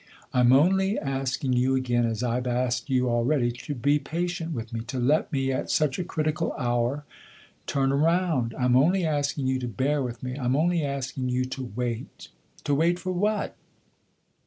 " I'm only asking you again, as I've asked you already, to be patient with me to let me, at such a critical hour, turn round. I'm only asking you to bear with me I'm only asking you to wait." " To wait for what